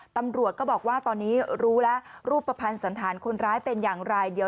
ตำรวจก็บอกว่าตอนนี้รู้แล้วรูปประพันธ์สันธารณ์คนร้ายเป็นอย่างไร